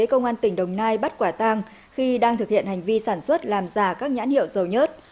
công an tỉnh đồng nai bắt quả tang khi đang thực hiện hành vi sản xuất làm giả các nhãn hiệu dầu nhớt